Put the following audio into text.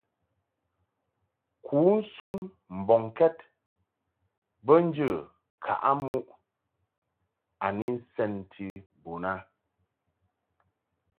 Kunsun mbɔŋkɛd be njə ŋkaʼɨ muʼ a ni nsenti bun a.